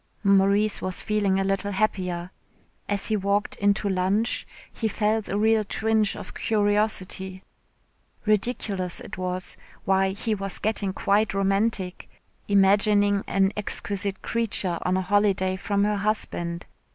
Maurice was feeling a little happier. As he walked into lunch he felt a real twinge of curiosity. Ridiculous it was why he was getting quite romantic, imagining an exquisite creature on a holiday from her husband.